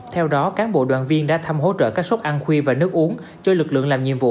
theo đó cán bộ đoàn viên đã thăm hỗ trợ các sốc ăn khuy và nước uống cho lực lượng làm nhiệm vụ